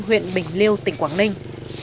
huyện bình liêu tỉnh quảng ninh